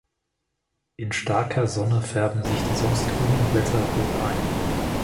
In starker Sonne färben sich die sonst grünen Blätter rot ein.